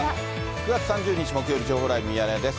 ９月３０日木曜日、情報ライブミヤネ屋です。